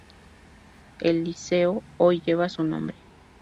El Liceo hoy lleva su nombre.